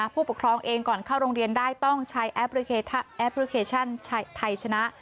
ผู้ปกครองเองก่อนเข้าโรงเรียนได้ต้องใช้แอปพลิเคชันไทยชนะ